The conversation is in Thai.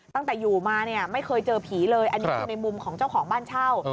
ตั้งแต่อยู่มาเนี่ยไม่เคยเจอผีเลยอันนี้คือในมุมของเจ้าของบ้านเช่า